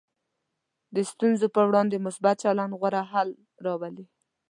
د ستونزو پر وړاندې مثبت چلند غوره حل راولي.